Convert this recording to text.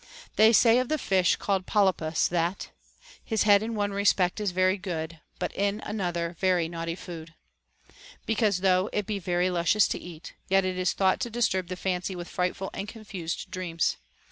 They say of the fish called polypus that His head in one respect is very good, But in another very naughty food ; because, though it be very luscious to eat, yet it is thought to disturb the fancy with frightful and confused dreams.